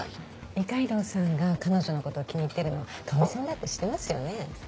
二階堂さんが彼女の事気に入ってるのかほりさんだって知ってますよね。